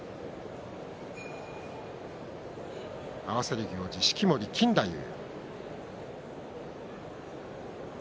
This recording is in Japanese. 合わせる行司は式守錦太夫。